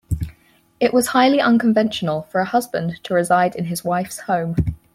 It was highly unconventional for a husband to reside in his wife's home.